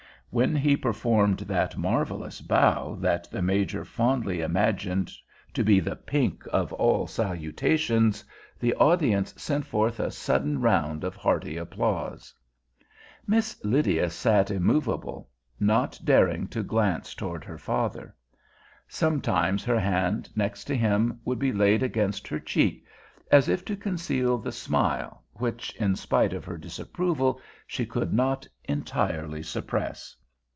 When he performed that marvelous bow that the Major fondly imagined to be the pink of all salutations, the audience sent forth a sudden round of hearty applause. Miss Lydia sat immovable, not daring to glance toward her father. Sometimes her hand next to him would be laid against her cheek, as if to conceal the smile which, in spite of her disapproval, she could not entirely suppress.